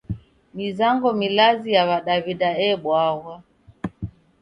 Mizango milazi ya w'adaw'ida ebwaghwa.